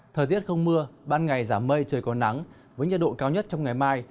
thời tiết không mưa ban ngày giảm mây trời còn nắng với nhiệt độ cao nhất trong ngày mai